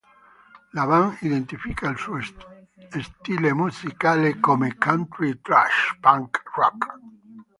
La band identifica il suo stile musicale come "Country Trash Punk Rock".